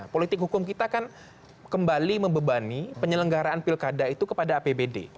politik hukum kita kan kembali membebani penyelenggaraan pilkada itu kepada apbd